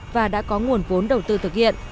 và đã có nguồn vốn đầu tư thực hiện